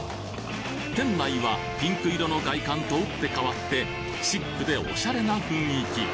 店内はピンク色の外観と打って変わってシックでおしゃれな雰囲気